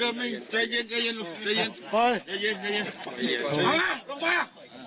เดี๋ยวตกบันไดตกบันได